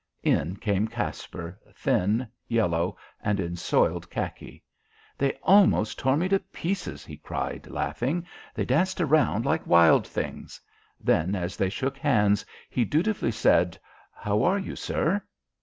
In came Caspar, thin, yellow, and in soiled khaki. "They almost tore me to pieces," he cried, laughing. "They danced around like wild things." Then as they shook hands he dutifully said "How are you, sir?"